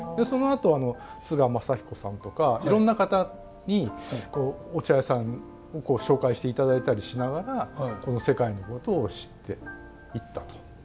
そのあと津川雅彦さんとかいろんな方にお茶屋さん紹介していただいたりしながらこの世界のことを知っていったと。